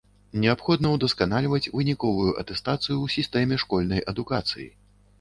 Неабходна удасканальваць выніковую атэстацыю ў сістэме школьнай адукацыі.